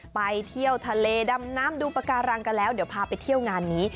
ไปเที่ยวทะเลดำน้ำดูปากการังกันแล้วเดี๋ยวพาไปเที่ยวงานนี้